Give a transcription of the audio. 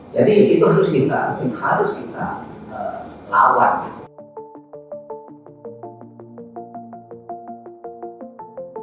jadi itu harus kita lawan